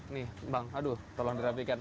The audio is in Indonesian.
nih bang aduh tolong dirapikan